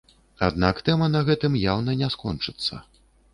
Аднак тэма на гэтым яўна не скончыцца.